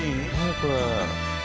これ。